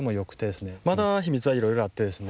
まだひみつはいろいろあってですね